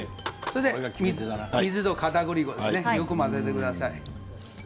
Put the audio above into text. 水とかたくり粉ですねよく混ぜてください。